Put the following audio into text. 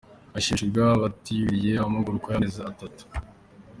Hashimiwe abitabiriye amahugurwa yamaze amezi atatu.